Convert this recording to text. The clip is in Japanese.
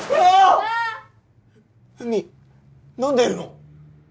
うみ何でいるの？